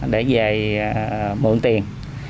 để về mượn tiền